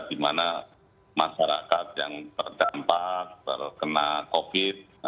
di mana masyarakat yang terdampak terkena covid sembilan belas